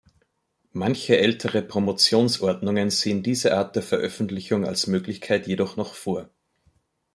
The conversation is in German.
Manche ältere Promotionsordnungen sehen diese Art der Veröffentlichung als Möglichkeit jedoch noch vor.